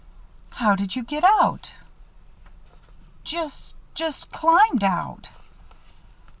"How did you get out?" "Jus just climbed out."